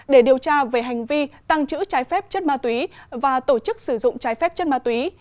để điều tra về hành vi tăng trữ trái phép chất ma túy và tổ chức sử dụng trái phép chất ma túy